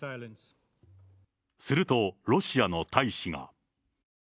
すると、ロシアの大使が。